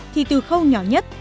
thì từ khâu nhỏ nhất